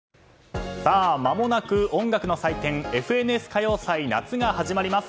まもなく音楽の祭典「ＦＮＳ歌謡祭夏」が始まります。